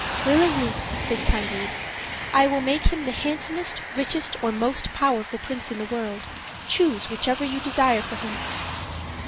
"Willingly," said Candide. "I will make him the handsomest, richest, or most powerful prince in the world: choose whichever you desire for him."